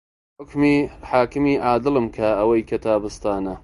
حوکمی حاکمی عادڵم کا ئەوەی کە تابستانە